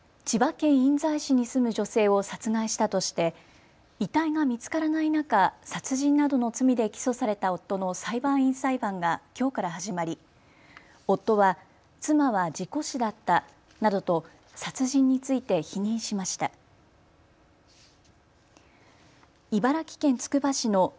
千葉県印西市に住む女性を殺害したとして遺体が見つからない中、殺人などの罪で起訴された夫の裁判員裁判がきょうから始まり夫は、妻は事故死だったなどと殺人について否認しました。